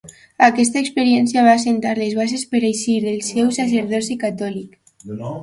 Aquesta experiència va assentar les bases per a eixir del seu sacerdoci catòlic.